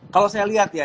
kalau saya lihat ya